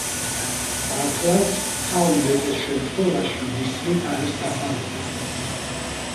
მართლაც მთა უმეტეს შემთხვევაში ნისლით არის დაფარული.